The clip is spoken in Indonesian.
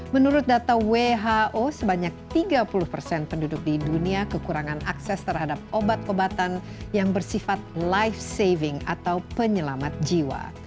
menurut data who sebanyak tiga puluh persen penduduk di dunia kekurangan akses terhadap obat obatan yang bersifat life saving atau penyelamat jiwa